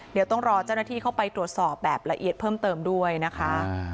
เดี๋ยวต้องรอเจ้าหน้าที่เข้าไปตรวจสอบแบบละเอียดเพิ่มเติมด้วยนะคะ